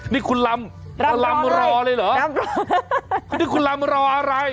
นี่คุณลำลำรอเลยเหรอนี่คุณลำรออะไร